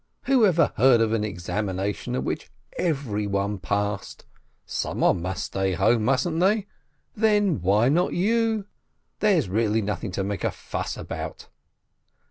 Who ever heard of an examination at which everyone passed? Somebody must stay at home, mustn't they ? Then why not you? There's really nothing to make such a fuss about."